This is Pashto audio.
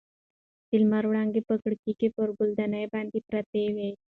د لمر وړانګې په کړکۍ کې پر ګل دانۍ پرتې وې.